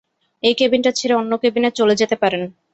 এই কেবিনটা ছেড়ে অন্য কেবিনে চলে যেতে পারেন।